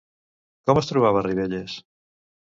Com es trobava Rivelles?